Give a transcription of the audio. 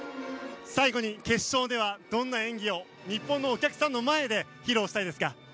最後に、決勝ではどんな演技を日本のお客さんの前で披露したいですか？